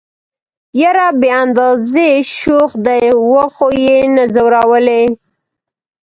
يره بې اندازه شوخ دي وخو يې نه ځورولئ.